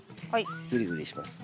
グリグリします。